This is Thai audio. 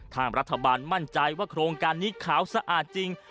ทางรัฐบาลมั่นใจว่าโครงการนี้ขาวสะอาดจริง